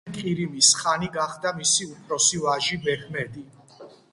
მის შემდეგ ყირიმის ხანი გახდა მისი უფროსი ვაჟი, მეჰმედი.